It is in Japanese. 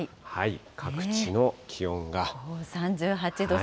各地の気温が。